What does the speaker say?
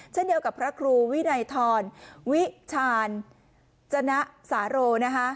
เช่นเดียวกับพระครูวินัยทรวิชาญจนะสาโรนะคะ